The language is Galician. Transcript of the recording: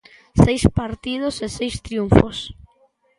Seis partidos e seis triunfos.